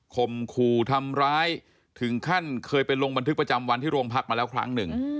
มขู่ทำร้ายถึงขั้นเคยไปลงบันทึกประจำวันที่โรงพักมาแล้วครั้งหนึ่ง